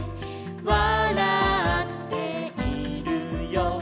「わらっているよ」